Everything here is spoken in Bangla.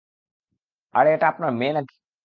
আরে, এটা আপনার মেয়ে নাকি?